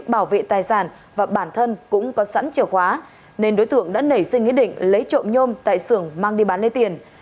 bảo vệ tài sản và bản thân cũng có sẵn chìa khóa nên đối tượng đã nảy sinh ý định lấy trộm nhôm tại xưởng mang đi bán lấy tiền